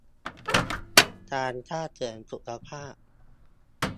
การสร้างเสริมสุขภาพ